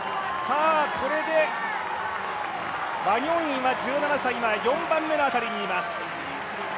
これでワニョンイ１７歳は、４番目のあたりにいます。